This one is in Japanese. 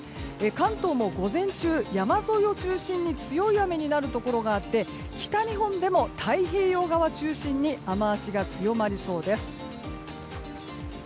関東も午前中、山沿いを中心に強い雨になるところがあって北日本でも太平洋側中心に雨脚が強まりそうです。